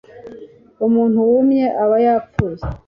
umuntu wumye aba yapfuye